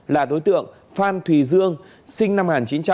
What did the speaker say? là đối tượng phan thùy dương sinh năm một nghìn chín trăm tám mươi